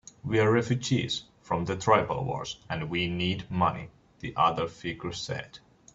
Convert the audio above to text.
"We're refugees from the tribal wars, and we need money," the other figure said.